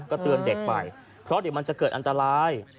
ก็เตือนเด็กไปเพราะเดี๋ยวมันจะเกิดอันตราย